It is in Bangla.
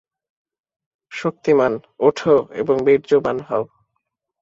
শক্তিমান্, ওঠ এবং বীর্যবান হও।